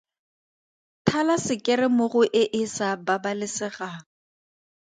Thala sekere mo go e e sa babalesegang.